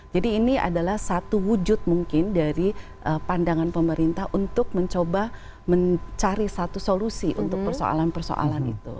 ini adalah satu wujud mungkin dari pandangan pemerintah untuk mencoba mencari satu solusi untuk persoalan persoalan itu